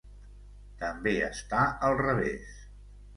També està al revés.